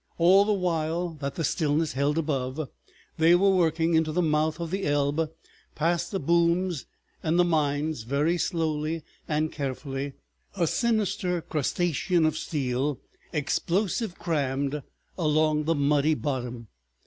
All the while that the stillness held above, they were working into the mouth of the Elbe, past the booms and the mines, very slowly and carefully, a sinister crustacean of steel, explosive crammed, along the muddy bottom.